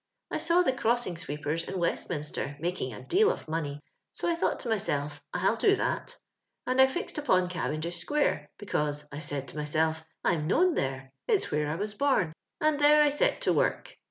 " I saw the crossing sweepers in Westminster making a deal of money, so I thought to my self /'// do that, and I fixed upon Cavendish square, because, I said to myself, I'm knows there ; it's where I was bom, and there I set to work.